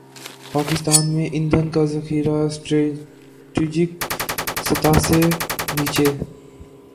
پاکستان میں ایندھن کا ذخیرہ اسٹریٹجک سطح سے نیچے